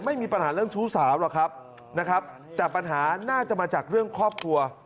ไม่มีปัญหาเรื่องชู้สาวหรอกครับนะครับแต่ปัญหาน่าจะมาจากเรื่องครอบครัว